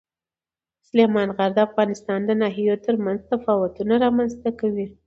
سلیمان غر د افغانستان د ناحیو ترمنځ تفاوتونه رامنځته کوي.